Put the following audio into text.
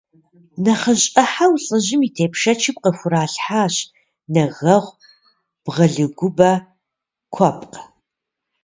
Нэхъыжь ӏыхьэу лӏыжьым и тепщэчым къыхуралъхьащ нэгэгъу, бгъэлыгубэ, куэпкъ.